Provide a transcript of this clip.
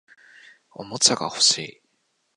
おもちゃが欲しい